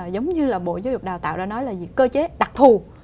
giống như là bộ giáo dục đào tạo đã nói là cơ chế đặc thù